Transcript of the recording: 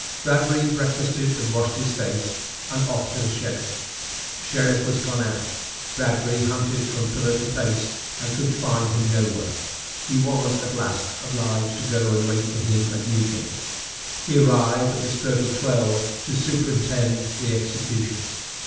Bradbury breakfasted, and washed his face, and off to the sheriff. Sheriff was gone out. Bradbury hunted him from pillar to post, and could find him nowhere. He was at last obliged to go and wait for him at Newgate. He arrived at the stroke of twelve to superintend the execution.